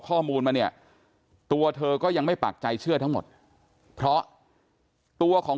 ข้อมูลมาเนี่ยตัวเธอก็ยังไม่ปากใจเชื่อทั้งหมดเพราะตัวของ